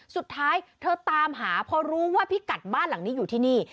สุดท้ายเธอตามหาเพราะรู้ว่าพี่กัดบ้านหลังนี้อยู่ที่นี่